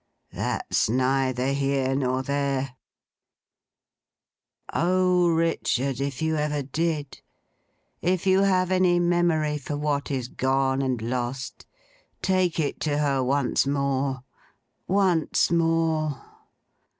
That's neither here nor there—"O Richard, if you ever did; if you have any memory for what is gone and lost, take it to her once more. Once more!